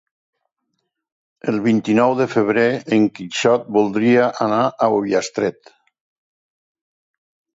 El vint-i-nou de febrer en Quixot voldria anar a Ullastret.